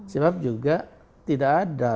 sebab juga tidak ada